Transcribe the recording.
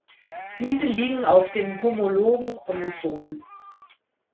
Diese liegen auf den homologen Chromosomen.